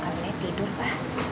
kamilanya tidur pa